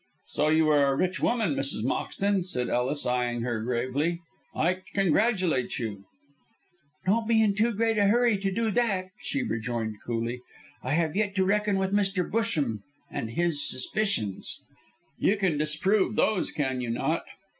"So you are a rich woman, Mrs. Moxton," said Ellis, eyeing her gravely. "I congratulate you." "Don't be in too great a hurry to do that," she rejoined coolly. "I have yet to reckon with Mr. Busham and his suspicions." "You can disprove those, can you not?"